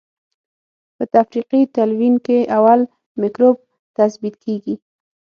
په تفریقي تلوین کې اول مکروب تثبیت کیږي.